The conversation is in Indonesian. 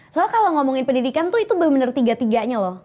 soalnya kalau ngomongin pendidikan tuh itu bener bener tiga tiganya loh